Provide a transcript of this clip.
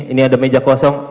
ini ada meja kosong